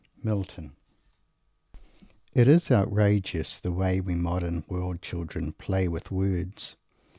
MILTON It is outrageous, the way we modern world children play with words.